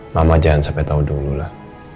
mama jangan sampai tahu dulu lah